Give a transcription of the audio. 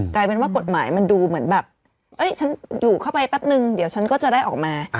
กลายเป็นว่ากฎหมายมันดูเหมือนแบบฉันอยู่เข้าไปแป๊บนึงเดี๋ยวฉันก็จะได้ออกมา